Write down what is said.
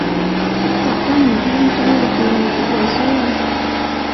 一集都唔聼，左右逢源必為衰人